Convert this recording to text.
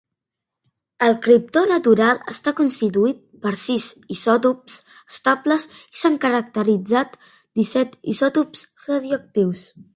El criptó natural està constituït per sis isòtops estables i s'han caracteritzat disset isòtops radioactius.